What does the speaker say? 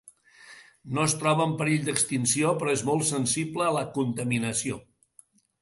No es troba en perill d'extinció però és molt sensible a la contaminació.